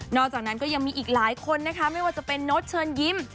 อกจากนั้นก็ยังมีอีกหลายคนนะคะไม่ว่าจะเป็นโน้ตเชิญยิ้ม